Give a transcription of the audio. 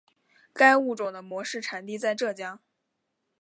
该物种的模式产地在浙江。